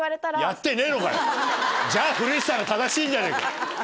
じゃ古市さんが正しいんじゃねえか。